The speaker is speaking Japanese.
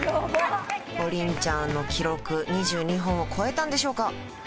ＰＯＲＩＮちゃんの記録２２本を超えたんでしょうか？